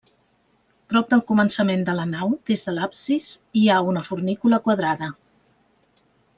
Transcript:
Prop del començament de la nau, des de l'absis, hi ha una fornícula quadrada.